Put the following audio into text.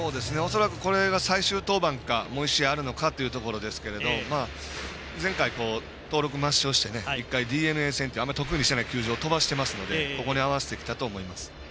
恐らく、これが最終登板かもう１試合あるのかというところですが前回、登録抹消して１回、ＤｅＮＡ戦得意にしてない球場を飛ばしていますのでここに合わせていたと思います。